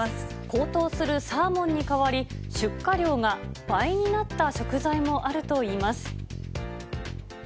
高騰するサーモンに代わり、出荷量が倍になった食材もあるといいます。